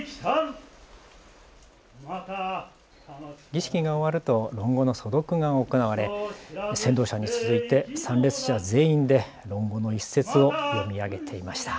儀式が終わると論語の素読が行われ先導者に続いて参列者全員で論語の一節を読み上げていました。